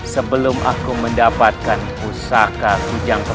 sebelum aku mendapatkan pusaka keris setan kobel